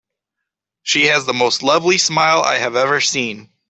She has the most lovely smile I have ever seen.